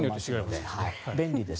便利です。